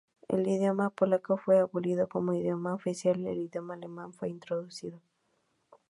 El idioma polaco fue abolido como idioma oficial y el idioma alemán fue introducido.